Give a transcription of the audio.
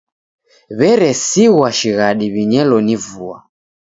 W'eresighwa shighadi w'inyelo ni vua.